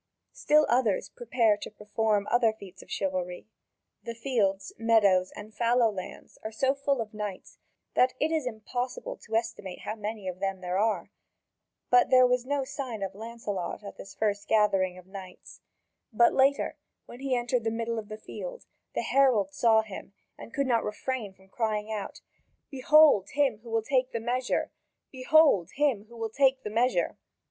Still others prepare to perform other feats of chivalry. The fields, meadows, and fallow lands are so full of knights that it is impossible to estimate how many of them are there. But there was no sign of Lancelot at this first gathering of the knights; but later, when he entered the middle of the field, the herald saw him and could not refrain from crying out: "Behold him who will take the measure! Behold him who will take the measure!"